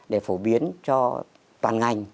để phổ biến cho toàn ngành